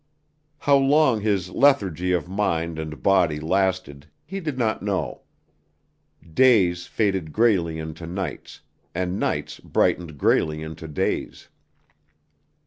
How long his lethargy of mind and body lasted, he did not know. Days faded grayly into nights, and nights brightened grayly into days.